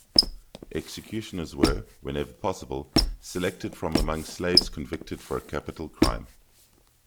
Executioners were, whenever possible, selected from among slaves convicted for a capital crime.